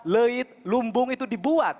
leit lumbung itu dibuat